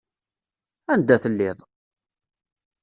Anda telliḍ!